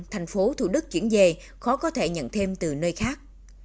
thành phố thủ đức chuyển về khó có thể nhận thêm từ nơi khác